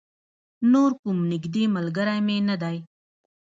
نور کوم نږدې ملگری مې نه دی.